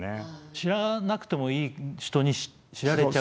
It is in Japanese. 知らなくてもいい人に知られちゃうってことですね。